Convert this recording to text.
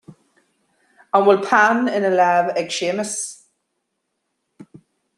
An bhfuil peann ina lámh ag Séamus